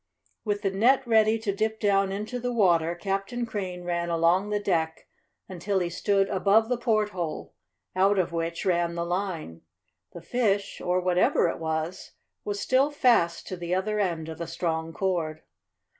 With the net ready to dip down into the water, Captain Crane ran along the deck until he stood above the porthole, out of which ran the line. The fish, or whatever it was, was still fast to the other end of the strong cord.